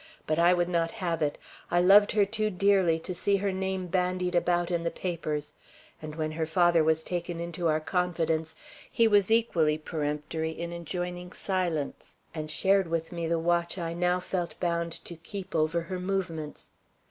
But I would not have it. I loved her too dearly to see her name bandied about in the papers; and when her father was taken into our confidence, he was equally peremptory in enjoining silence, and shared with me the watch I now felt bound to keep over her movements.